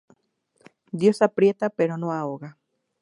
Dios aprieta, pero no ahoga